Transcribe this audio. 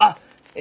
え